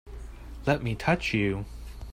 Let me touch you!